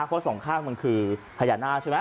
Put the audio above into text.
เพราะสองข้างมันคือพญานาคใช่ไหม